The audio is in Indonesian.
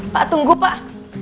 pak tunggu pak